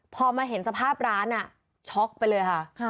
พอมาเห็นสภาพร้านช็อกไปเลยค่ะ